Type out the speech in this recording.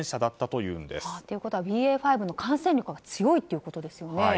ということはＢＡ．５の感染力が強いということですよね。